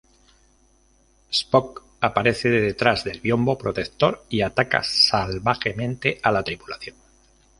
Spock aparece de detrás del biombo protector y ataca salvajemente a la tripulación.